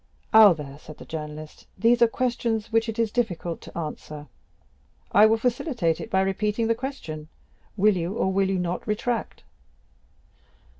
"Albert," said the journalist, "these are questions which it is difficult to answer." "I will facilitate it by repeating the question, 'Will you, or will you not, retract?